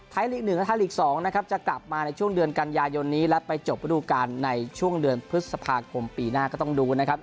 ลีก๑และไทยลีก๒นะครับจะกลับมาในช่วงเดือนกันยายนนี้และไปจบระดูการในช่วงเดือนพฤษภาคมปีหน้าก็ต้องดูนะครับ